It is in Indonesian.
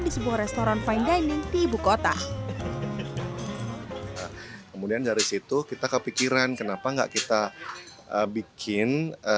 di sebuah restoran fine dining di ibukota kemudian dari situ kita kepikiran kenapa enggak kita bikin